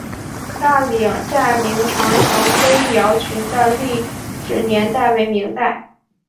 大岭寨明长城灰窑群的历史年代为明代。